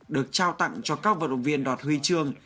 được trao tặng cho các vận động viên đoạt huy chương